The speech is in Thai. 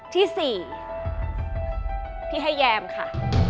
ที่๔พี่ให้แยมค่ะ